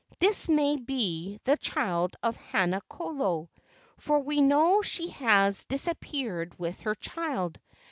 This may be the child of Haina kolo, for we know she has dis¬ appeared with her child.